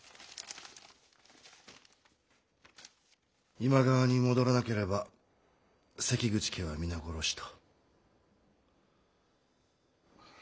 今川に戻らなければ関口家は皆殺しと。